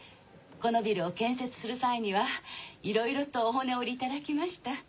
このビルを建設する際にはいろいろとお骨折りいただきました。